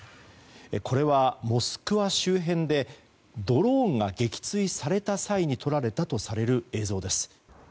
これはモスクワ周辺でドローンが撃墜された際に撮られたとされる映像です。